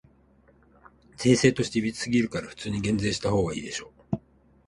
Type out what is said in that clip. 税制として歪すぎるから、普通に減税したほうがいいでしょ。